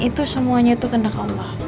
itu semuanya itu kena allah